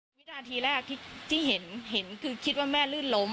วิจารณาตีแรกคิดว่าแม่ลื่นล้ม